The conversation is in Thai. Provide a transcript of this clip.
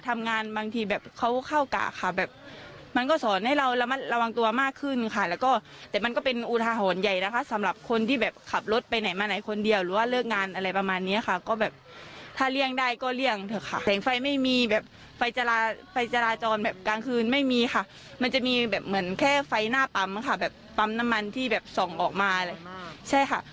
มีแบบเหมือนแค่ไฟหน้าปั๊มค่ะแบบปั๊มน้ำมันที่แบบส่องออกมาใช่ค่ะ